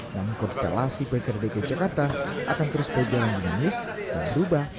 namun konstelasi bkrdk jakarta akan terus berjalan dengan nis dan berubah